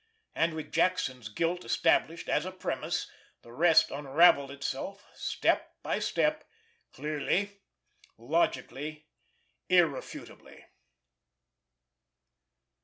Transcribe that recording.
And with Jackson's guilt established as a premise, the rest unravelled itself step by step, clearly, logically, irrefutably.